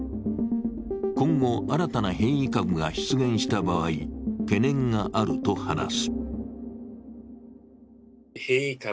今後、新たな変異株が出現した場合懸念があると話す。